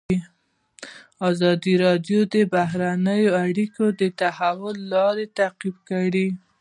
ازادي راډیو د بهرنۍ اړیکې د تحول لړۍ تعقیب کړې.